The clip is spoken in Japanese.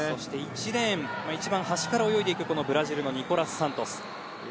１レーン一番端から泳いでいくブラジルのニコラス・サントス。